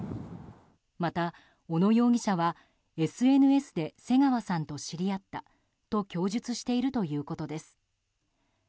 また、小野容疑者はＳＮＳで瀬川さんと知り合ったと供述しているということです。